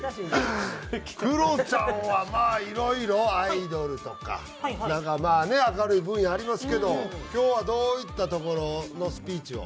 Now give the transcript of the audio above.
クロちゃんはまあいろいろアイドルとかなんかまあね明るい分野ありますけど今日はどういったところのスピーチを？